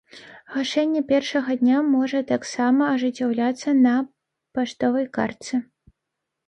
Гашэнне першага дня можа таксама ажыццяўляцца на паштовай картцы.